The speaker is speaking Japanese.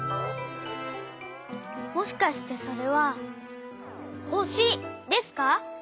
もしかしてそれはほしですか？